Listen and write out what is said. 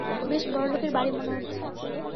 বেশ বড়লোকের বাড়ি মনে হচ্ছে।